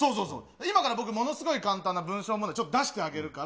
今から僕、ものすごい簡単な文章問題、ちょっと出してあげるから。